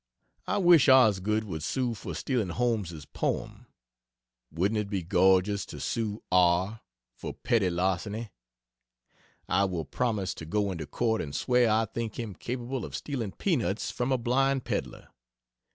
I wish Osgood would sue for stealing Holmes's poem. Wouldn't it be gorgeous to sue R for petty larceny? I will promise to go into court and swear I think him capable of stealing pea nuts from a blind pedlar.